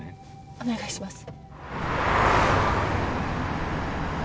お願いします。